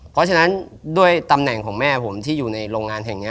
เพราะฉะนั้นด้วยตำแหน่งของแม่ผมที่อยู่ในโรงงานแห่งนี้